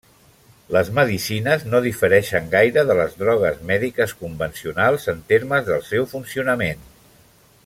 Les medicines no difereixen gaire de les drogues mèdiques convencionals en termes del seu funcionament.